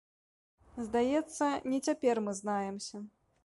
Здаецца, не цяпер мы знаемся.